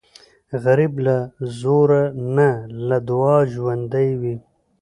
غریب له زوره نه، له دعاو ژوندی وي